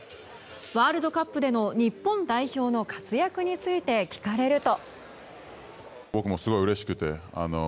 ワールドカップでの日本代表の活躍について聞かれると。